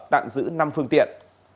tạm giữ năm phương tiện